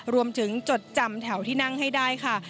จดจำแถวที่นั่งให้ได้ค่ะ